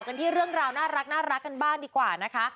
กันที่เรื่องราวน่ารักกันบ้างดีกว่านะคะ